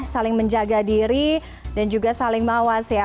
saling menjaga diri dan juga saling mawas ya